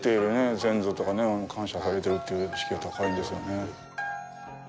先祖とか、感謝されているという意識が高いんですよね。